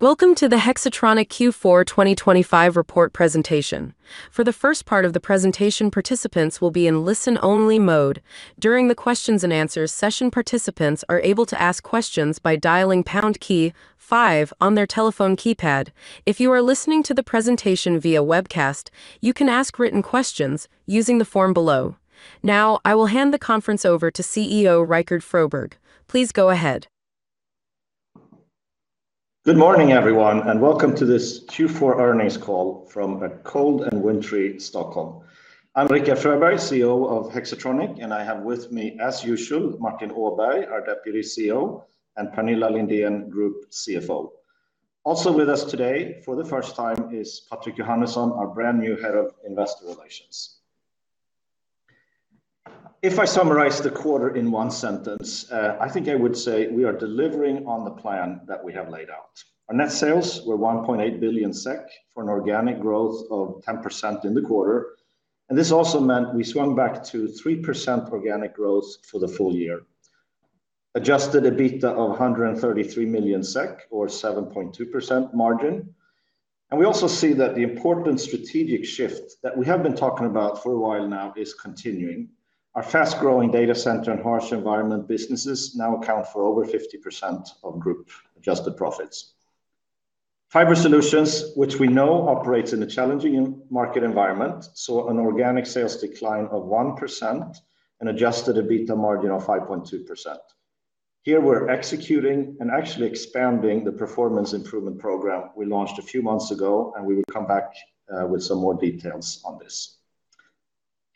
Welcome to the Hexatronic Q4 2025 report presentation. For the first part of the presentation, participants will be in listen-only mode. During the questions and answers session, participants are able to ask questions by dialing pound key five on their telephone keypad. If you are listening to the presentation via webcast, you can ask written questions using the form below. Now, I will hand the conference over to CEO, Rikard Fröberg. Please go ahead. Good morning, everyone, and welcome to this Q4 earnings call from a cold and wintry Stockholm. I'm Rikard Fröberg, CEO of Hexatronic, and I have with me, as usual, Martin Åberg, our Deputy CEO, and Pernilla Lindén, Group CFO. Also with us today, for the first time, is Patrik Johannesson, our brand new Head of Investor Relations. If I summarize the quarter in one sentence, I think I would say we are delivering on the plan that we have laid out. Our net sales were 1.8 billion SEK, for an organic growth of 10% in the quarter, and this also meant we swung back to 3% organic growth for the full year. Adjusted EBITDA of 133 million SEK, or 7.2% margin. We also see that the important strategic shift that we have been talking about for a while now is continuing. Our fast-growing Data Center and Harsh Environment businesses now account for over 50% of group Adjusted EBITDA profits. Fiber Solutions, which we know operates in a challenging market environment, saw an organic sales decline of 1% and Adjusted EBITDA margin of 5.2%. Here, we're executing and actually expanding the performance improvement program we launched a few months ago, and we will come back, with some more details on this.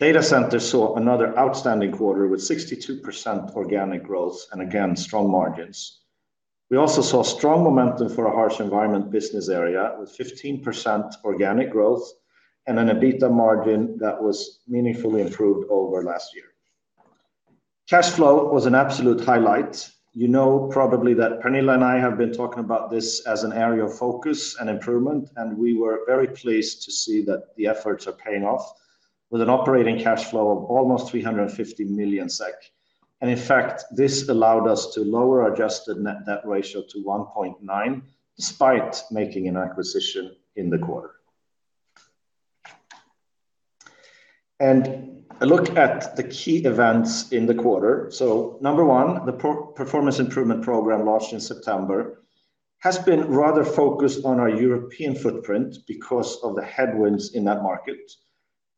Data Center saw another outstanding quarter with 62% organic growth and again, strong margins. We also saw strong momentum for our Harsh Environment business area, with 15% organic growth and an EBITDA margin that was meaningfully improved over last year. Cash flow was an absolute highlight. You know, probably that Pernilla and I have been talking about this as an area of focus and improvement, and we were very pleased to see that the efforts are paying off with an operating cash flow of almost 350 million SEK. And in fact, this allowed us to lower adjusted net debt ratio to 1.9, despite making an acquisition in the quarter. And a look at the key events in the quarter. So number one, the performance improvement program launched in September, has been rather focused on our European footprint because of the headwinds in that market.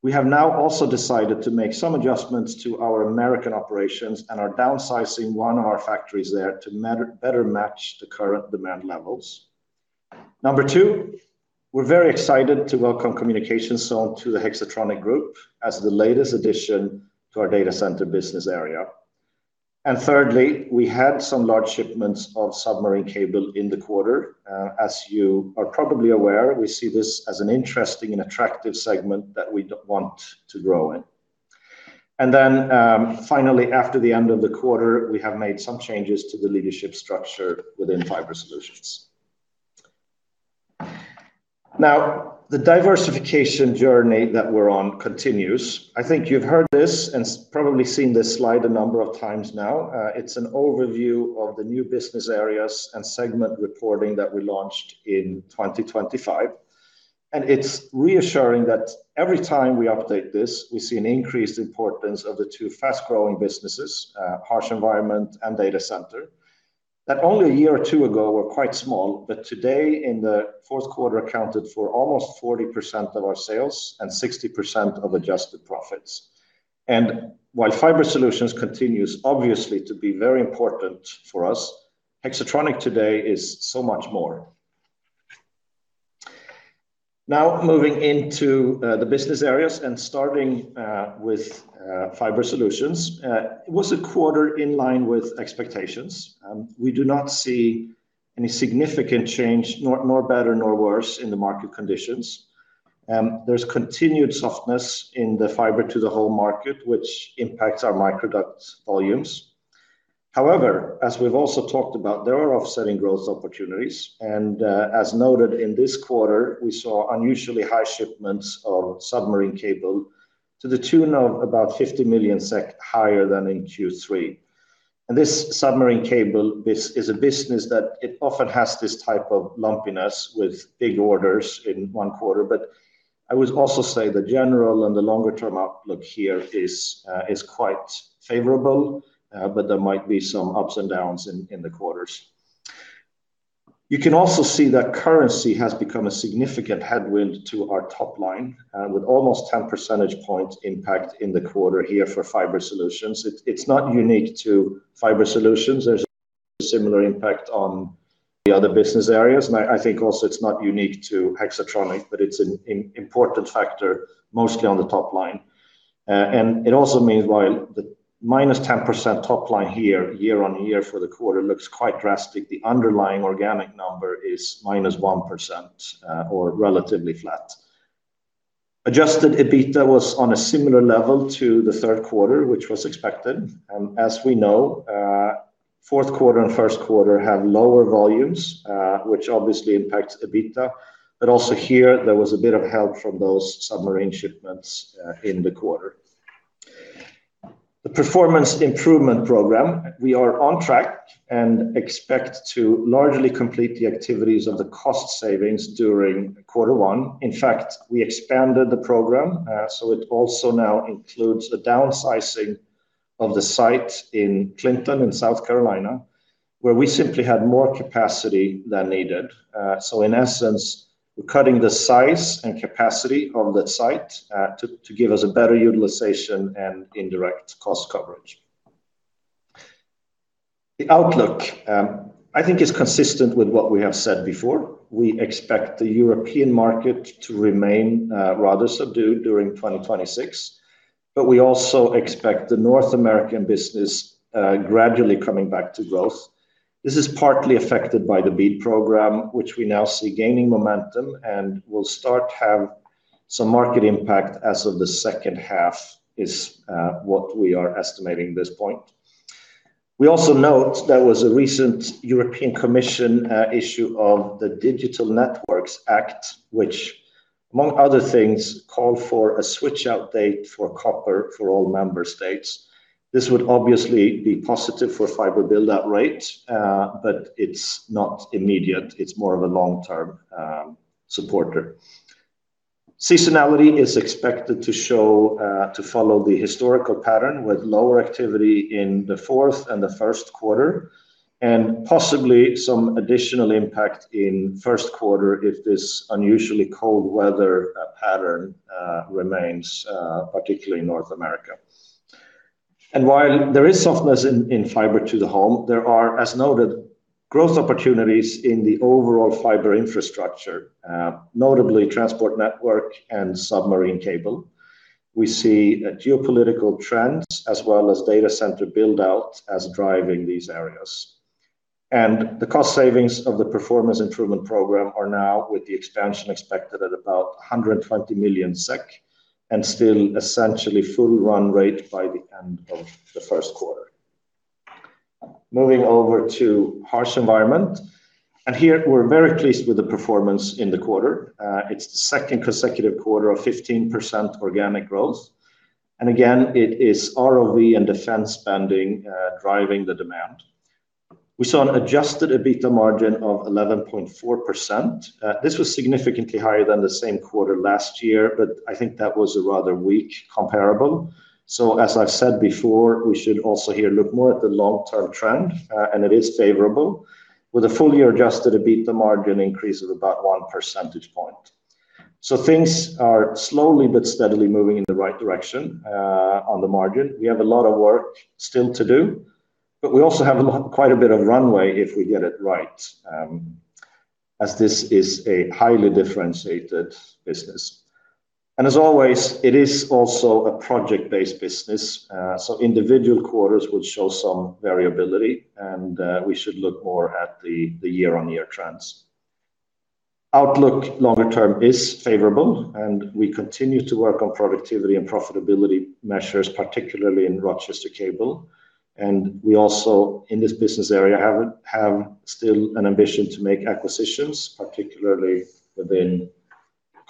We have now also decided to make some adjustments to our American operations and are downsizing one of our factories there to better match the current demand levels. Number two, we're very excited to welcome Communication Zone to the Hexatronic Group as the latest addition to our data center business area. And thirdly, we had some large shipments of submarine cable in the quarter. As you are probably aware, we see this as an interesting and attractive segment that we want to grow in. And then, finally, after the end of the quarter, we have made some changes to the leadership structure within Fiber Solutions. Now, the diversification journey that we're on continues. I think you've heard this and probably seen this slide a number of times now. It's an overview of the new business areas and segment reporting that we launched in 2025. It's reassuring that every time we update this, we see an increased importance of the two fast-growing businesses, Harsh Environment and Data Center, that only a year or two ago were quite small, but today, in the fourth quarter, accounted for almost 40% of our sales and 60% of adjusted profits. While Fiber Solutions continues, obviously, to be very important for us, Hexatronic today is so much more. Now, moving into the business areas and starting with Fiber Solutions. It was a quarter in line with expectations. We do not see any significant change, nor better nor worse in the market conditions. There's continued softness in the fiber to the home market, which impacts our microduct volumes. However, as we've also talked about, there are offsetting growth opportunities, and, as noted in this quarter, we saw unusually high shipments of submarine cable to the tune of about 50 million SEK, higher than in Q3. And this submarine cable business is a business that often has this type of lumpiness with big orders in one quarter. But I would also say the general and the longer-term outlook here is quite favorable, but there might be some ups and downs in the quarters. You can also see that currency has become a significant headwind to our top line, and with almost 10 percentage points impact in the quarter here for Fiber Solutions. It's not unique to Fiber Solutions. There's a similar impact on the other business areas, and I think also it's not unique to Hexatronic, but it's an important factor, mostly on the top line. And it also means while the -10% top line here, year-on-year for the quarter, looks quite drastic, the underlying organic number is -1%, or relatively flat. Adjusted EBITDA was on a similar level to the third quarter, which was expected. And as we know, fourth quarter and first quarter have lower volumes, which obviously impacts EBITDA. But also here, there was a bit of help from those submarine shipments in the quarter. The performance improvement program, we are on track and expect to largely complete the activities of the cost savings during quarter one. In fact, we expanded the program, so it also now includes a downsizing of the site in Clinton, in South Carolina, where we simply had more capacity than needed. So in essence, we're cutting the size and capacity of that site, to give us a better utilization and indirect cost coverage. The outlook, I think is consistent with what we have said before. We expect the European market to remain rather subdued during 2026, but we also expect the North American business gradually coming back to growth. This is partly affected by the BEAD program, which we now see gaining momentum and will start to have some market impact as of the second half, is what we are estimating at this point. We also note there was a recent European Commission issue of the Digital Networks Act, which, among other things, called for a switch-out date for copper for all member states. This would obviously be positive for fiber build-out rate, but it's not immediate. It's more of a long-term supporter. Seasonality is expected to follow the historical pattern, with lower activity in the fourth and the first quarter, and possibly some additional impact in first quarter if this unusually cold weather pattern remains, particularly in North America. And while there is softness in fiber to the home, there are, as noted, growth opportunities in the overall fiber infrastructure, notably transport network and submarine cable. We see geopolitical trends as well as data center build-out as driving these areas. The cost savings of the performance improvement program are now, with the expansion, expected at about 120 million SEK, and still essentially full run rate by the end of the first quarter. Moving over to Harsh Environment, and here we're very pleased with the performance in the quarter. It's the second consecutive quarter of 15% organic growth, and again, it is ROV and defense spending driving the demand. We saw an Adjusted EBITDA margin of 11.4%. This was significantly higher than the same quarter last year, but I think that was a rather weak comparable. So as I've said before, we should also here look more at the long-term trend, and it is favorable, with a full year Adjusted EBITDA margin increase of about one percentage point. Things are slowly but steadily moving in the right direction on the margin. We have a lot of work still to do, but we also have a lot, quite a bit of runway if we get it right, as this is a highly differentiated business. And as always, it is also a project-based business, so individual quarters will show some variability, and we should look more at the year-on-year trends. Outlook, longer term, is favorable, and we continue to work on productivity and profitability measures, particularly in Rochester Cable. And we also, in this business area, have still an ambition to make acquisitions, particularly within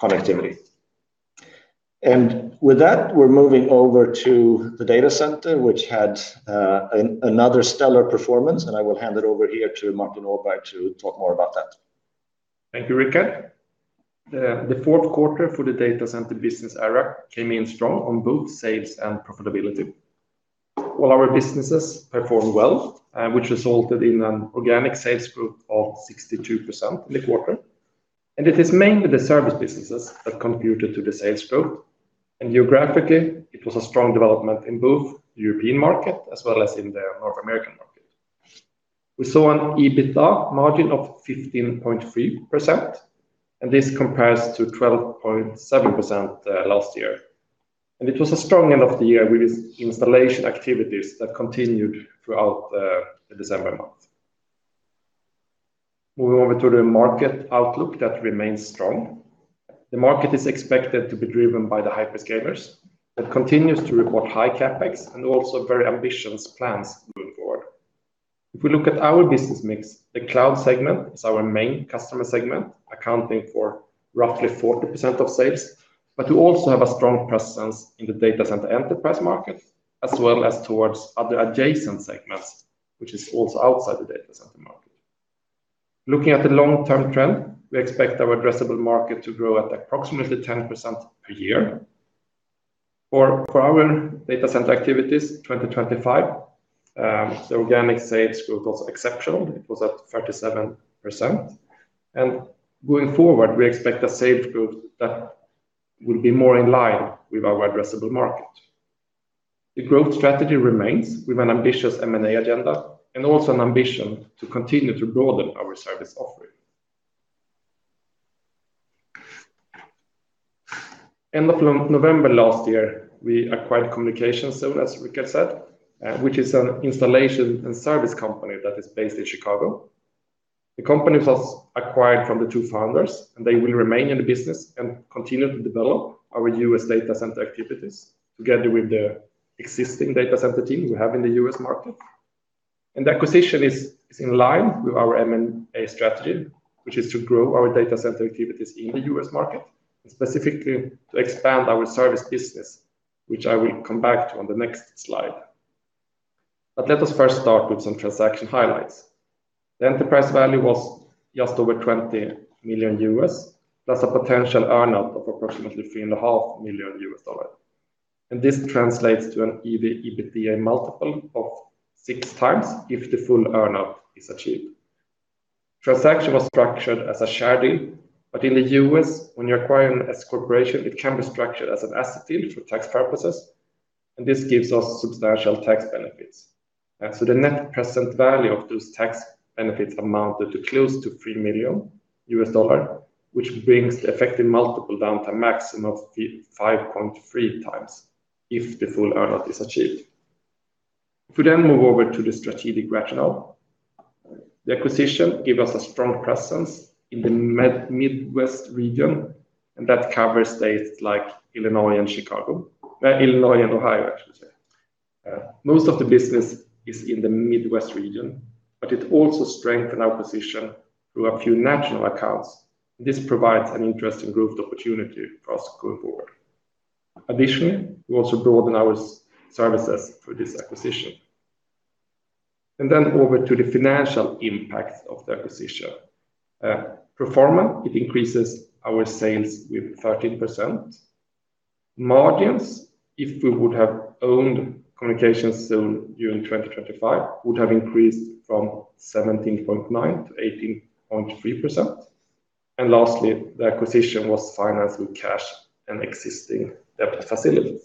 connectivity. And with that, we're moving over to the Data Center, which had another stellar performance, and I will hand it over here to Martin Åberg to talk more about that. Thank you, Rikard. The fourth quarter for the Data Center business area came in strong on both sales and profitability. All our businesses performed well, which resulted in an organic sales growth of 62% in the quarter. It is mainly the service businesses that contributed to the sales growth. Geographically, it was a strong development in both the European market as well as in the North American market. We saw an EBITDA margin of 15.3%, and this compares to 12.7% last year. It was a strong end of the year with installation activities that continued throughout the December month. Moving over to the market outlook, that remains strong. The market is expected to be driven by the hyperscalers. It continues to report high CapEx and also very ambitious plans moving forward. If we look at our business mix, the cloud segment is our main customer segment, accounting for roughly 40% of sales, but we also have a strong presence in the data center enterprise market, as well as towards other adjacent segments, which is also outside the data center market. Looking at the long-term trend, we expect our addressable market to grow at approximately 10% per year. For our data center activities, 2025, the organic sales growth was exceptional. It was at 37%. And going forward, we expect a sales growth that will be more in line with our addressable market. The growth strategy remains with an ambitious M&A agenda, and also an ambition to continue to broaden our service offering. End of November last year, we acquired Communication Zone, Rikard said, which is an installation and service company that is based in Chicago. The company was acquired from the two founders, and they will remain in the business and continue to develop our U.S. data center activities together with the existing data center team we have in the U.S. market... The acquisition is in line with our M&A strategy, which is to grow our data center activities in the U.S. market, and specifically to expand our service business, which I will come back to on the next slide. Let us first start with some transaction highlights. The enterprise value was just over $20 million, plus a potential earn-out of approximately $3.5 million. This translates to an EV/EBITDA multiple of 6x, if the full earn-out is achieved. transaction was structured as a share deal, but in the U.S., when you acquire an S corporation, it can be structured as an asset deal for tax purposes, and this gives us substantial tax benefits. So the net present value of those tax benefits amounted to close to $3 million, which brings the effective multiple down to a maximum of 5.3x if the full earn out is achieved. If we then move over to the strategic rationale, the acquisition give us a strong presence in the Midwest region, and that covers states like Illinois and Chicago. Illinois and Ohio, I should say. Most of the business is in the Midwest region, but it also strengthen our position through a few national accounts, and this provides an interesting growth opportunity for us going forward. Additionally, we also broaden our services through this acquisition. And then over to the financial impact of the acquisition. Pro forma, it increases our sales with 13%. Margins, if we would have owned Communication Zone during 2025, would have increased from 17.9% to 18.3%. And lastly, the acquisition was financed with cash and existing debt facilities.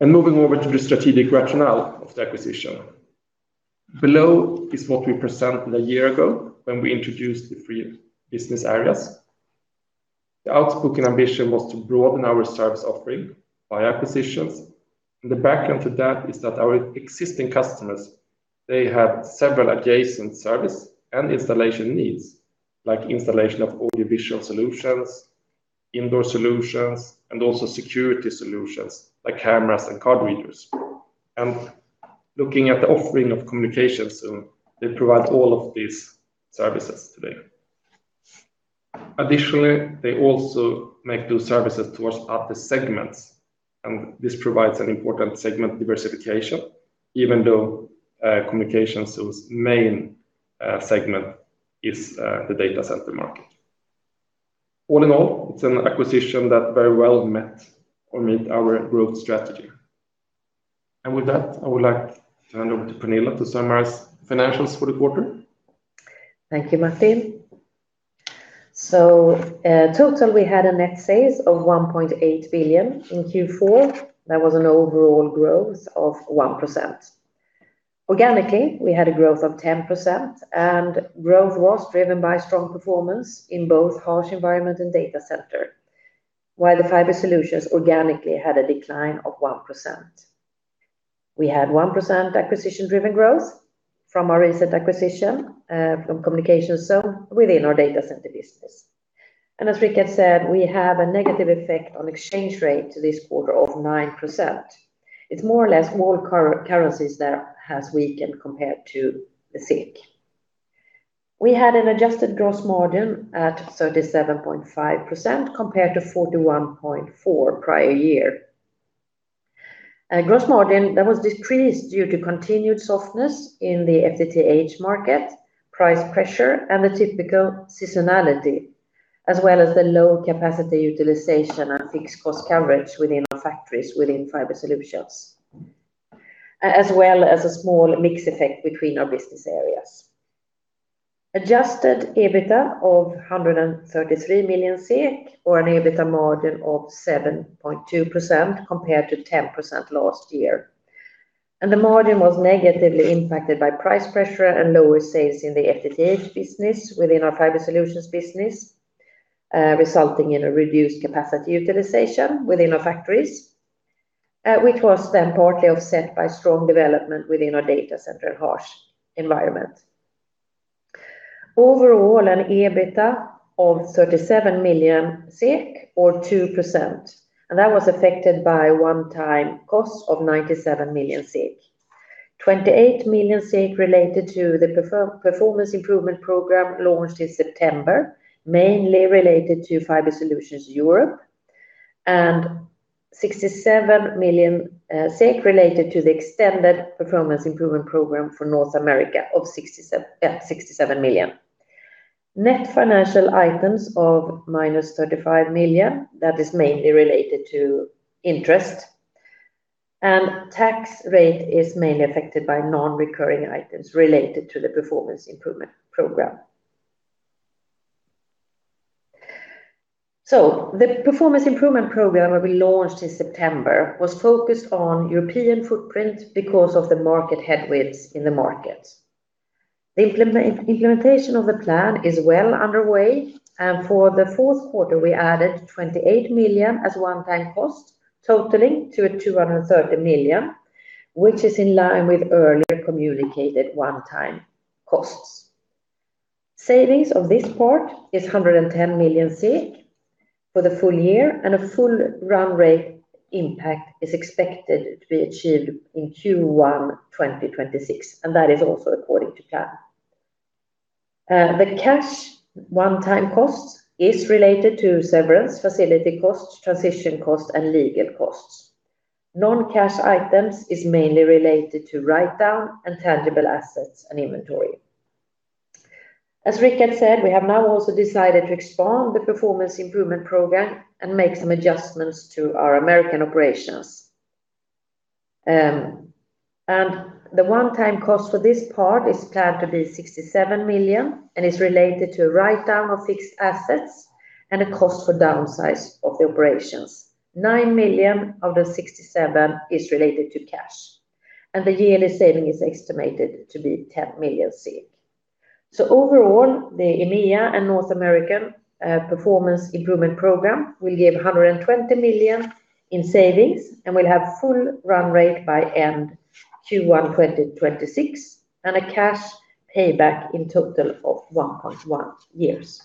And moving over to the strategic rationale of the acquisition. Below is what we presented a year ago when we introduced the three business areas. The outspoken ambition was to broaden our service offering by acquisitions. And the background to that is that our existing customers, they have several adjacent service and installation needs, like installation of audiovisual solutions, indoor solutions, and also security solutions, like cameras and card readers. And looking at the offering of Communication Zone, they provide all of these services today. Additionally, they also make those services towards other segments, and this provides an important segment diversification, even though Communication Zone's main segment is the data center market. All in all, it's an acquisition that very well met or meet our growth strategy. With that, I would like to hand over to Pernilla to summarize financials for the quarter. Thank you, Martin. So, total, we had net sales of 1.8 billion in Q4. That was an overall growth of 1%. Organically, we had a growth of 10%, and growth was driven by strong performance in both Harsh Environment and Data Center, while the Fiber Solutions organically had a decline of 1%. We had 1% acquisition-driven growth from our recent acquisition from Communication Zone within our Data Center business. And as Rikard said, we have a negative effect on exchange rate to this quarter of 9%. It's more or less all currencies that has weakened compared to the SEK. We had an adjusted gross margin at 37.5%, compared to 41.4% prior year. Gross margin was decreased due to continued softness in the FTTH market, price pressure, and the typical seasonality, as well as the low capacity utilization and fixed cost coverage within our factories within Fiber Solutions, as well as a small mix effect between our business areas. Adjusted EBITDA of 133 million SEK, or an EBITDA margin of 7.2%, compared to 10% last year. The margin was negatively impacted by price pressure and lower sales in the FTTH business within our Fiber Solutions business, resulting in a reduced capacity utilization within our factories, which was then partly offset by strong development within our Data Center and Harsh Environment. Overall, an EBITDA of 37 million SEK, or 2%, and that was affected by a one-time cost of 97 million SEK. 28 million SEK related to the performance improvement program launched in September, mainly related to Fiber Solutions Europe, and 67 million SEK related to the extended performance improvement program for North America of 67 million. Net financial items of -35 million, that is mainly related to interest. Tax rate is mainly affected by non-recurring items related to the performance improvement program. So the performance improvement program that we launched in September was focused on European footprint because of the market headwinds in the market. The implementation of the plan is well underway, and for the fourth quarter, we added 28 million as one-time cost, totaling to a 230 million, which is in line with earlier communicated one-time costs. Savings of this part is 110 million for the full year, and a full run rate impact is expected to be achieved in Q1, 2026, and that is also according to plan. The cash one-time cost is related to severance facility costs, transition costs, and legal costs. Non-cash items is mainly related to write-down of tangible assets and inventory. As Rikard said, we have now also decided to expand the performance improvement program and make some adjustments to our American operations. The one-time cost for this part is planned to be 67 million, and is related to a write-down of fixed assets and a cost for downsizing of the operations. 9 million of the 67 is related to cash, and the yearly saving is estimated to be 10 million. So overall, the EMEA and North American performance improvement program will give 120 million in savings and will have full run rate by end Q1 2026, and a cash payback in total of 1.1 years.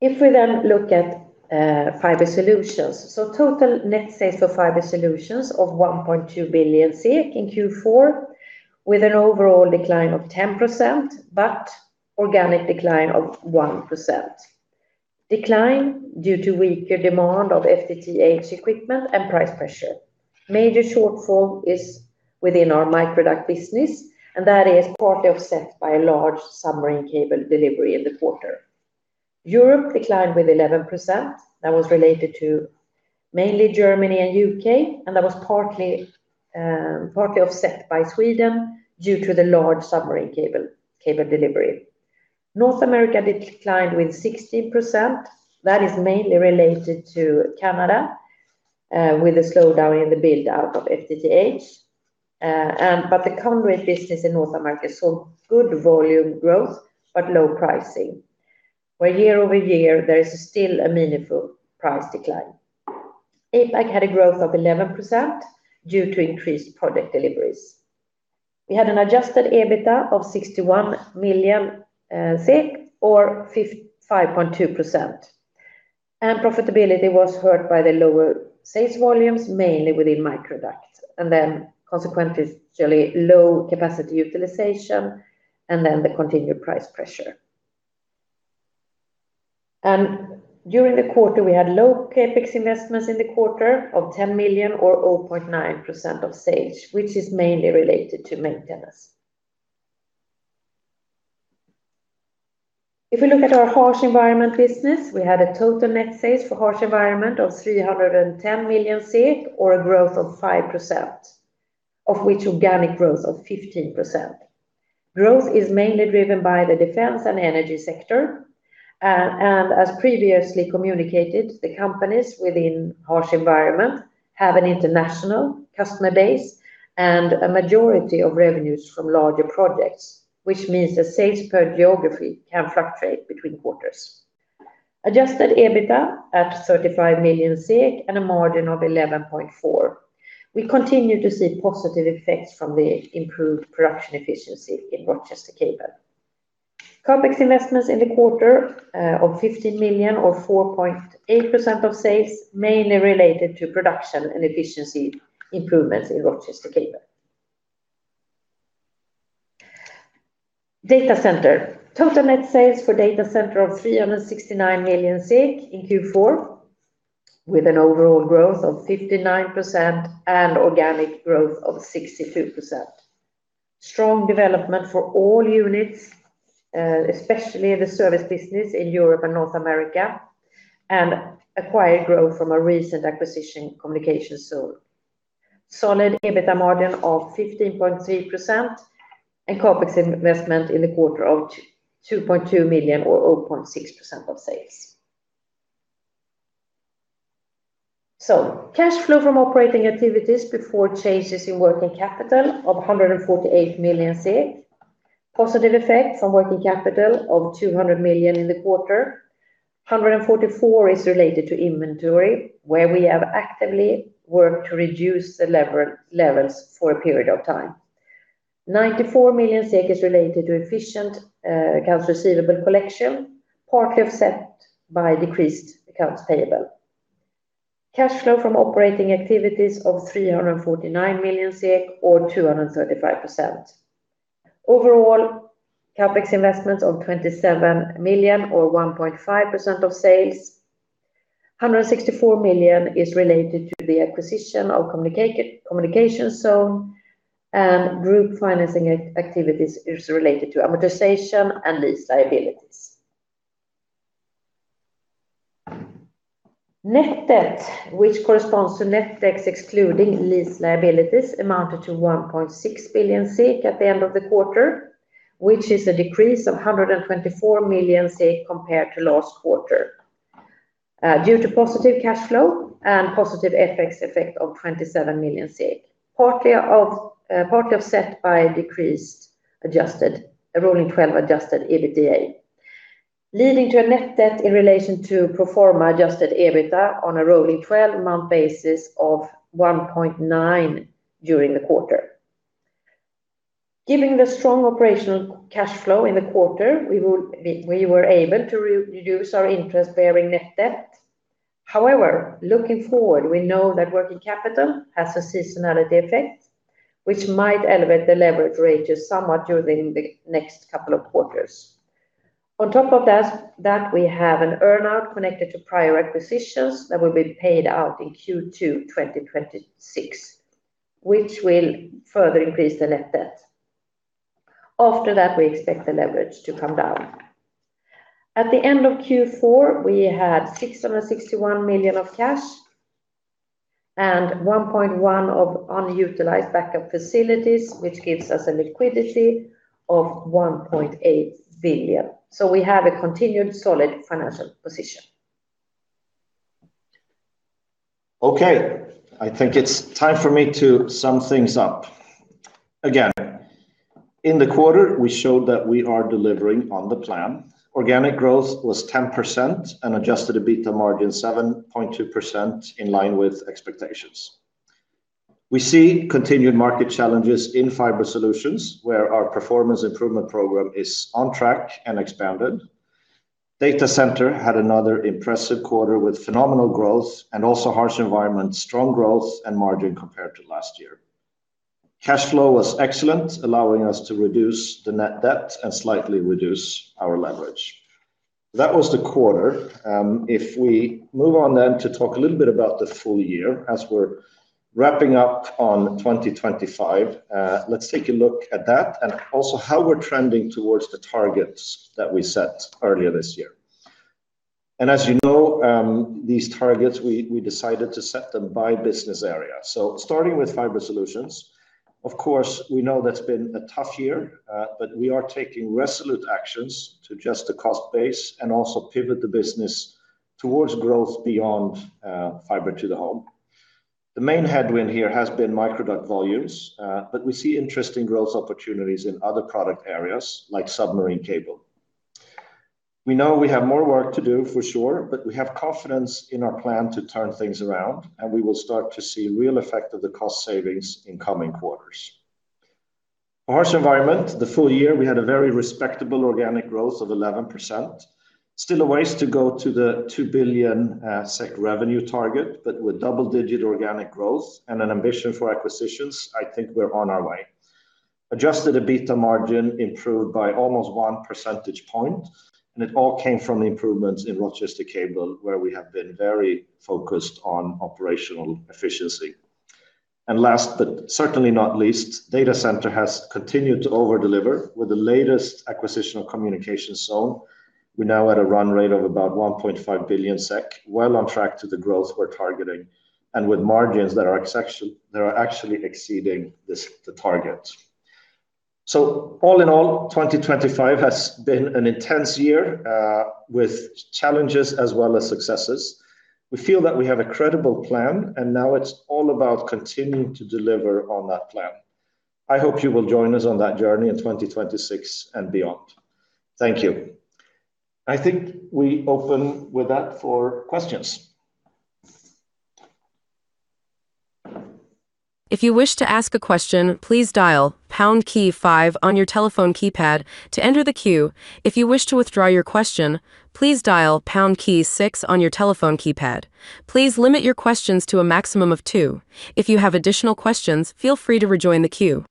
If we then look at Fiber Solutions. So total net sales for Fiber Solutions of 1.2 billion in Q4, with an overall decline of 10%, but organic decline of 1%. Decline due to weaker demand of FTTH equipment and price pressure. Major shortfall is within our microduct business, and that is partly offset by a large submarine cable delivery in the quarter. Europe declined with 11%. That was related to mainly Germany and UK, and that was partly offset by Sweden due to the large submarine cable delivery. North America declined with 60%. That is mainly related to Canada, with a slowdown in the build-out of FTTH. And but the conduit business in North America saw good volume growth, but low pricing, where year-over-year, there is still a meaningful price decline. APAC had a growth of 11% due to increased product deliveries. We had an adjusted EBITDA of 61 million SEK, or 55.2%, and profitability was hurt by the lower sales volumes, mainly within microduct, and then consequently, low capacity utilization, and then the continued price pressure. During the quarter, we had low CapEx investments in the quarter of 10 million SEK or 0.9% of sales, which is mainly related to maintenance. If we look at our Harsh Environment business, we had a total net sales for Harsh Environment of 310 million, or a growth of 5%, of which organic growth of 15%. Growth is mainly driven by the defense and energy sector. And as previously communicated, the companies within Harsh Environment have an international customer base and a majority of revenues from larger projects, which means the sales per geography can fluctuate between quarters. Adjusted EBITDA at 35 million SEK and a margin of 11.4%. We continue to see positive effects from the improved production efficiency in Rochester Cable. CapEx investments in the quarter of 15 million or 4.8% of sales, mainly related to production and efficiency improvements in Rochester Cable. Data center. Total net sales for Data Center of 369 million SEK in Q4, with an overall growth of 59% and organic growth of 62%. Strong development for all units, especially the service business in Europe and North America, and acquired growth from a recent acquisition Communication Zone. Solid EBITDA margin of 15.3% and CapEx investment in the quarter of 2.2 million SEK or 0.6% of sales. So cash flow from operating activities before changes in working capital of 148 million SEK. Positive effect from working capital of 200 million SEK in the quarter. 144 million SEK is related to inventory, where we have actively worked to reduce the leverage levels for a period of time. 94 million SEK is related to efficient accounts receivable collection, partly offset by decreased accounts payable. Cash flow from operating activities of 349 million or 235%. Overall, CapEx investments of 27 million or 1.5% of sales. 164 million is related to the acquisition of Communication Zone and group financing activities is related to amortization and lease liabilities. Net debt, which corresponds to net debt excluding lease liabilities, amounted to 1.6 billion SEK at the end of the quarter, which is a decrease of 124 million SEK compared to last quarter, due to positive cash flow and positive FX effect of 27 million, partly offset by decreased adjusted, a rolling twelve adjusted EBITDA, leading to a net debt in relation to pro forma adjusted EBITDA on a rolling twelve-month basis of 1.9 during the quarter. Given the strong operational cash flow in the quarter, we were able to reduce our interest-bearing net debt. However, looking forward, we know that working capital has a seasonality effect, which might elevate the leverage rates somewhat during the next couple of quarters. On top of that, we have an earn-out connected to prior acquisitions that will be paid out in Q2 2026, which will further increase the net debt. After that, we expect the leverage to come down. At the end of Q4, we had 661 million of cash and 1.1 billion of unutilized backup facilities, which gives us a liquidity of 1.8 billion. So we have a continued solid financial position. Okay, I think it's time for me to sum things up. Again, in the quarter, we showed that we are delivering on the plan. Organic growth was 10%, and adjusted EBITDA margin, 7.2%, in line with expectations. We see continued market challenges in Fiber Solutions, where our performance improvement program is on track and expanded. Data Center had another impressive quarter with phenomenal growth, and also Harsh Environment, strong growth, and margin compared to last year. Cash flow was excellent, allowing us to reduce the net debt and slightly reduce our leverage. That was the quarter. If we move on then to talk a little bit about the full year as we're wrapping up on 2025, let's take a look at that and also how we're trending towards the targets that we set earlier this year. As you know, these targets, we decided to set them by business area. So starting with Fiber Solutions, of course, we know that's been a tough year, but we are taking resolute actions to adjust the cost base and also pivot the business towards growth beyond fiber to the home. The main headwind here has been microduct volumes, but we see interesting growth opportunities in other product areas, like submarine cable. We know we have more work to do for sure, but we have confidence in our plan to turn things around, and we will start to see real effect of the cost savings in coming quarters. Harsh Environment, the full year, we had a very respectable organic growth of 11%. Still a ways to go to the 2 billion SEK revenue target, but with double-digit organic growth and an ambition for acquisitions, I think we're on our way. Adjusted EBITDA margin improved by almost 1 percentage point, and it all came from the improvements in Rochester Cable, where we have been very focused on operational efficiency. And last, but certainly not least, Data Center has continued to over-deliver with the latest acquisition of Communication Zone. We're now at a run rate of about 1.5 billion SEK, well on track to the growth we're targeting, and with margins that are actually, that are actually exceeding this, the target. So all in all, 2025 has been an intense year, with challenges as well as successes. We feel that we have a credible plan, and now it's all about continuing to deliver on that plan. I hope you will join us on that journey in 2026 and beyond. Thank you. I think we open with that for questions. If you wish to ask a question, please dial pound key five on your telephone keypad to enter the queue. If you wish to withdraw your question, please dial pound key six on your telephone keypad. Please limit your questions to a maximum of two. If you have additional questions, feel free to rejoin the queue.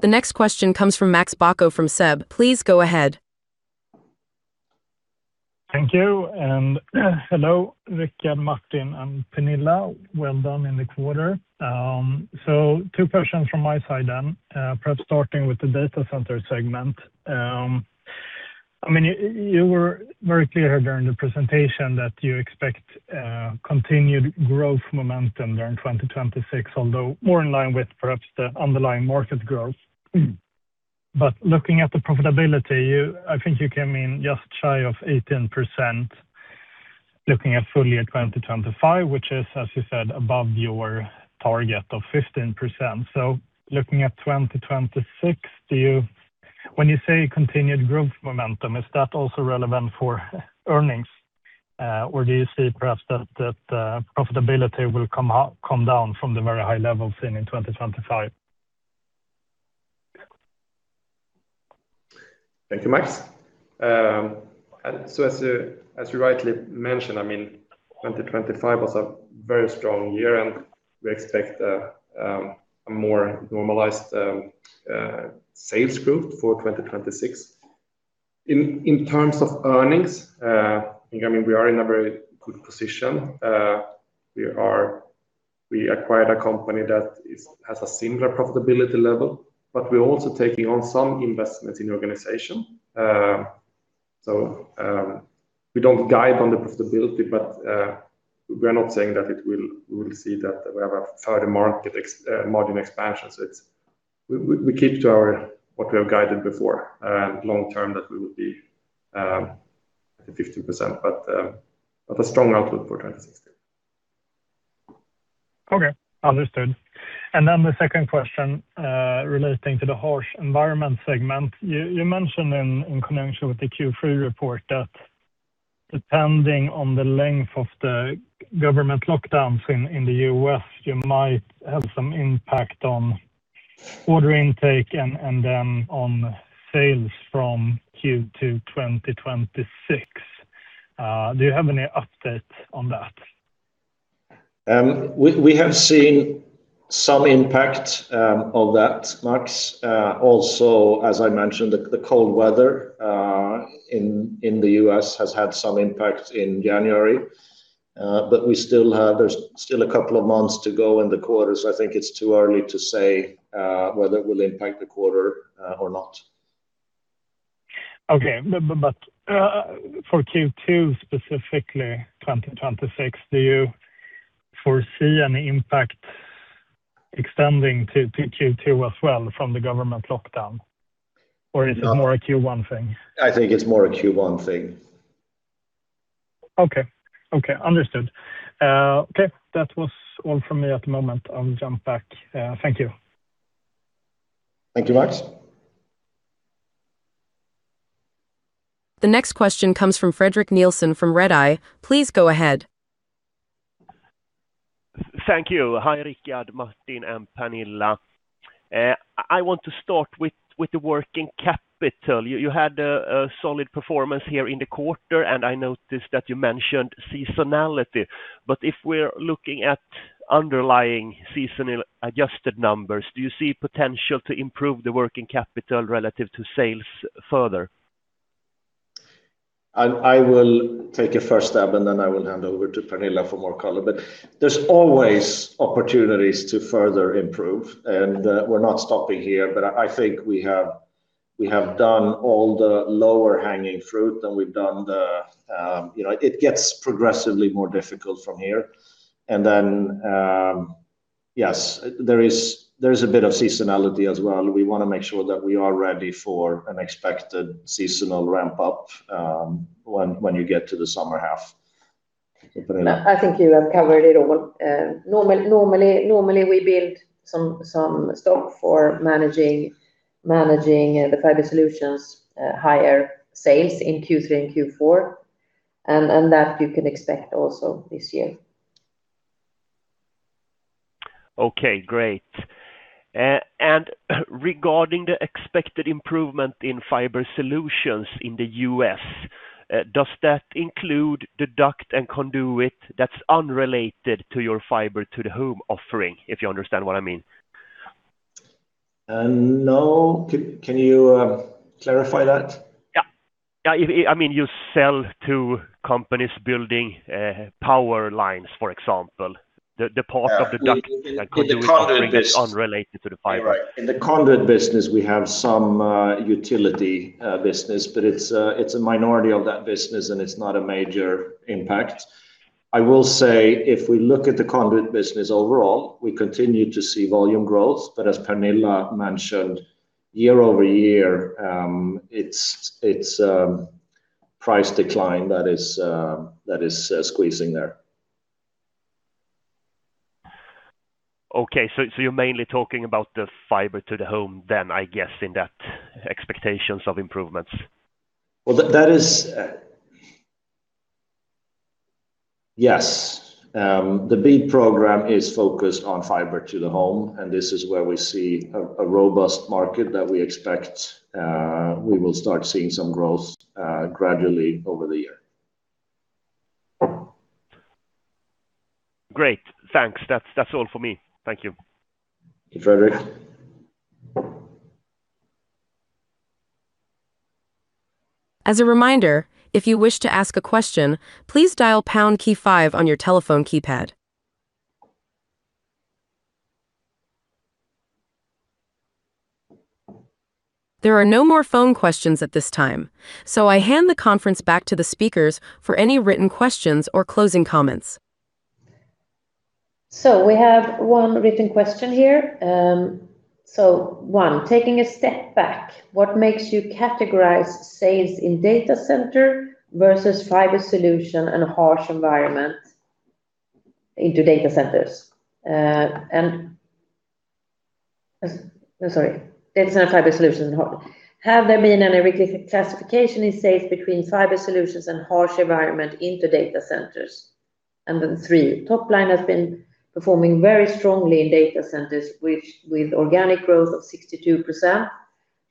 The next question comes from Max Bäck from SEB. Please go ahead. Thank you, and hello, Rick, Martin, and Pernilla. Well done in the quarter. So two questions from my side then. Perhaps starting with the Data Center segment. I mean, you, you were very clear during the presentation that you expect continued growth momentum during 2026, although more in line with perhaps the underlying market growth. But looking at the profitability, you, I think you came in just shy of 18%, looking at full year 2025, which is, as you said, above your target of 15%. So looking at 2026, do you, when you say continued growth momentum, is that also relevant for earnings? Or do you see perhaps that profitability will come down from the very high levels in 2025? Thank you, Max. And so as you, as you rightly mentioned, I mean, 2025 was a very strong year, and we expect a more normalized sales growth for 2026. In terms of earnings, I mean, we are in a very good position. We acquired a company that is, has a similar profitability level, but we're also taking on some investments in the organization. So, we don't guide on the profitability, but, we are not saying that it will we will see that we have a further margin expansion. So it's we, we, we keep to our, what we have guided before, long term, that we would be at the 15%, but a strong outlook for 2026.... Okay, understood. And then the second question, relating to the harsh environment segment. You mentioned in connection with the Q3 report that depending on the length of the government lockdowns in the U.S., you might have some impact on order intake and then on sales from Q2 2026. Do you have any updates on that? We have seen some impact of that, Max. Also, as I mentioned, the cold weather in the U.S. has had some impact in January. But we still have. There's still a couple of months to go in the quarter, so I think it's too early to say whether it will impact the quarter or not. Okay. But, for Q2, specifically 2026, do you foresee any impact extending to, to Q2 as well from the government lockdown? Or is it more a Q1 thing? I think it's more a Q1 thing. Okay. Okay, understood. Okay, that was all from me at the moment. I'll jump back. Thank you. Thank you, Max. The next question comes from Fredrik Nilsson from Redeye. Please go ahead. Thank you. Hi, Rikard, Martin, and Pernilla. I want to start with the working capital. You had a solid performance here in the quarter, and I noticed that you mentioned seasonality. But if we're looking at underlying seasonal adjusted numbers, do you see potential to improve the working capital relative to sales further? I will take a first stab, and then I will hand over to Pernilla for more color. But there's always opportunities to further improve, and we're not stopping here. But I think we have done all the low-hanging fruit, and we've done the. You know, it gets progressively more difficult from here. And then, yes, there is a bit of seasonality as well. We wanna make sure that we are ready for an expected seasonal ramp up, when you get to the summer half. Pernilla? I think you have covered it all. Normally, we build some stock for managing the Fiber Solutions, higher sales in Q3 and Q4, and that you can expect also this year. Okay, great. And regarding the expected improvement in fiber solutions in the U.S., does that include the duct and conduit that's unrelated to your fiber to the home offering, if you understand what I mean? No. Can you clarify that? Yeah. Yeah, I mean, you sell to companies building power lines, for example. The part of the duct- In the Conduit- Is unrelated to the fiber. You're right. In the conduit business, we have some utility business, but it's a minority of that business, and it's not a major impact. I will say, if we look at the conduit business overall, we continue to see volume growth. But as Pernilla mentioned, year over year, it's price decline that is squeezing there. Okay, so, so you're mainly talking about the Fiber to the home, then, I guess, in that expectations of improvements? Well, that is. Yes. The big program is focused on fiber to the home, and this is where we see a robust market that we expect. We will start seeing some growth gradually over the year. Great. Thanks. That's, that's all for me. Thank you. Thank you, Fredrik. As a reminder, if you wish to ask a question, please dial pound key five on your telephone keypad. There are no more phone questions at this time, so I hand the conference back to the speakers for any written questions or closing comments. So we have one written question here. So one, taking a step back, what makes you categorize sales in Data Center versus Fiber Solutions and Harsh Environment into Data Centers? I'm sorry, it's not a fiber solution. Have there been any reclassification in sales between Fiber Solutions and Harsh Environment into Data Centers? And then three, top line has been performing very strongly in Data Centers, which with organic growth of 62%,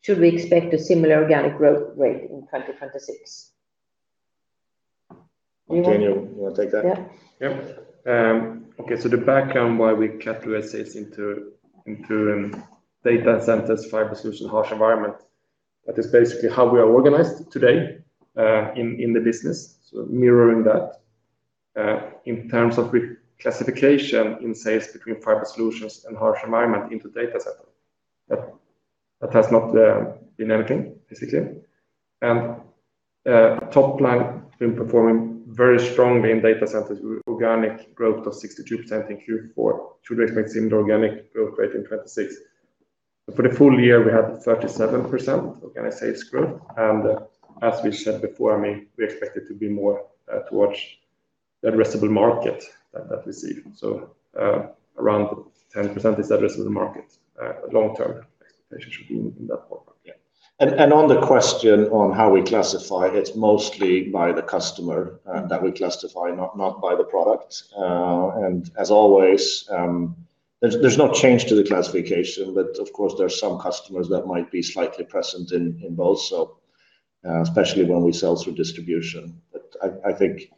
should we expect a similar organic growth rate in 2026? Martin, you wanna take that? Yeah. Yep. Okay, so the background why we categorize sales into, into, data centers, fiber solutions, harsh environment, that is basically how we are organized today, in, in the business, so mirroring that. In terms of reclassification in sales between fiber solutions and harsh environment into data center, that, that has not, been anything, basically. And, top line been performing very strongly in data centers with organic growth of 62% in Q4. Should we expect similar organic growth rate in 2026?... For the full year, we had 37% organic sales growth. And as we said before, I mean, we expect it to be more towards the addressable market that we see. So, around 10% is addressable market. Long term expectation should be in that ballpark, yeah. On the question on how we classify, it's mostly by the customer that we classify, not, not by the product. And as always, there's, there's no change to the classification, but of course, there are some customers that might be slightly present in, in both, so, especially when we sell through distribution. But I, I think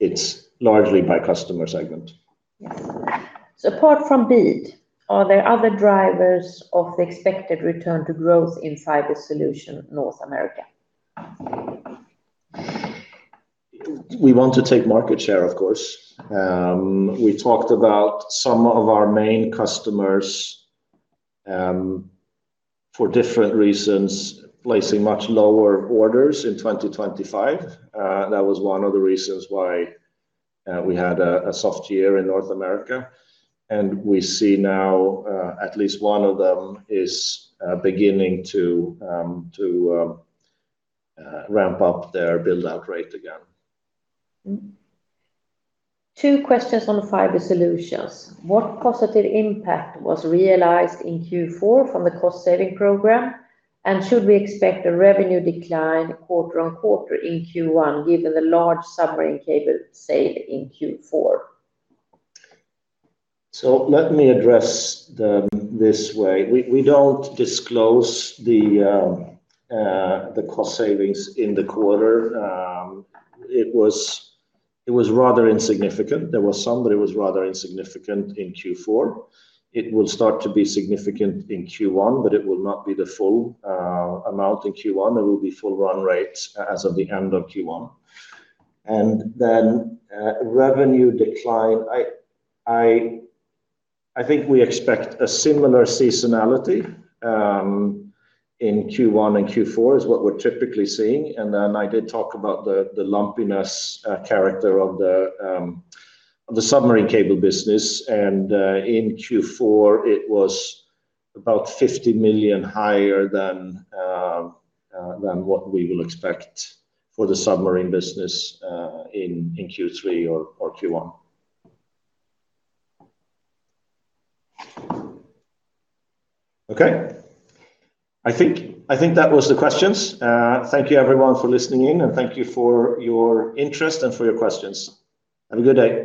it's largely by customer segment. Yes. So apart from BEAD, are there other drivers of the expected return to growth in Fiber Solutions North America? We want to take market share, of course. We talked about some of our main customers, for different reasons, placing much lower orders in 2025. That was one of the reasons why we had a soft year in North America. And we see now, at least one of them is beginning to ramp up their build-out rate again. Mm-hmm. Two questions on Fiber Solutions. What positive impact was realized in Q4 from the cost saving program? And should we expect a revenue decline quarter-on-quarter in Q1, given the large submarine cable sale in Q4? So let me address them this way. We don't disclose the cost savings in the quarter. It was rather insignificant. There was some, but it was rather insignificant in Q4. It will start to be significant in Q1, but it will not be the full amount in Q1. It will be full run rate as of the end of Q1. And then, revenue decline, I think we expect a similar seasonality in Q1 and Q4 is what we're typically seeing. And then I did talk about the lumpiness character of the submarine cable business. And in Q4, it was about 50 million higher than what we will expect for the submarine business in Q3 or Q1. Okay. I think that was the questions. Thank you everyone for listening in, and thank you for your interest and for your questions. Have a good day.